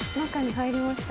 入りました。